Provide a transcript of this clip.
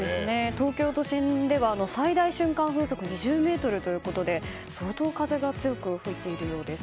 東京都心では最大瞬間風速２０メートルということで相当風が強く吹いているようです。